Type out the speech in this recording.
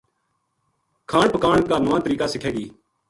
کھان پکان کا نُوا طریقہ سِکھے گی